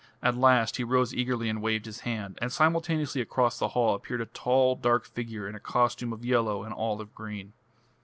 At last he rose eagerly and waved his hand, and simultaneously across the hall appeared a tall dark figure in a costume of yellow and olive green.